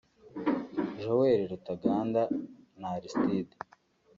Joel Rutaganda na Arstide